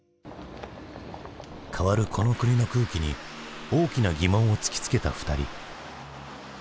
変わるこの国の空気に大きな疑問を突きつけた２人。